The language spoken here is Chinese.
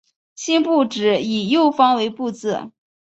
辛部只以右方为部字。